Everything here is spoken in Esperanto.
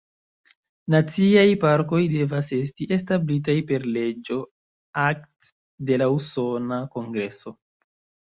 Naciaj parkoj devas esti establitaj per leĝo "act" de la Usona Kongreso.